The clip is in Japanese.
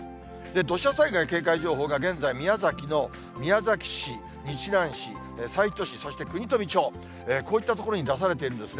土砂災害警戒情報が現在、宮崎の宮崎市、日南市、西都市、そして国富町、こういった所に出されているんですね。